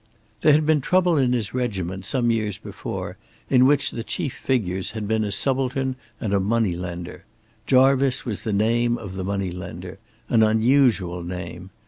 There had been trouble in his regiment, some years before, in which the chief figures had been a subaltern and a money lender. Jarvice was the name of the money lender an unusual name.